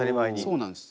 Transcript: そうなんです。